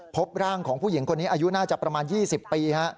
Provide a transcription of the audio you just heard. พบร่างของผู้หญิงคนนี้อายุน่าจะประมาณ๒๐ปี